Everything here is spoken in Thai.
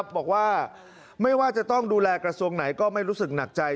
บอกว่าไม่ว่าจะต้องดูแลกระทรวงไหนก็ไม่รู้สึกหนักใจ